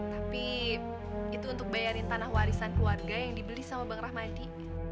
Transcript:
tapi itu untuk bayarin tanah warisan keluarga yang dibeli sama bang rahmadi